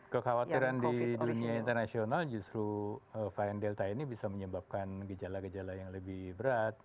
kekhawatiran di dunia internasional justru varian delta ini bisa menyebabkan gejala gejala yang lebih berat